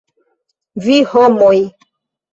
Vi, homoj!